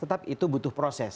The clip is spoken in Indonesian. tetapi itu butuh proses